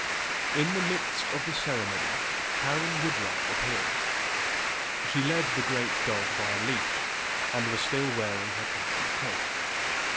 In the midst of this ceremony Karen Woodruff appeared. She led the great dog by a leash and was still wearing her cap and coat.